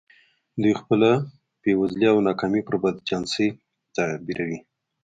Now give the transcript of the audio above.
دوی خپله بېوزلي او ناکامي پر بد چانسۍ تعبیروي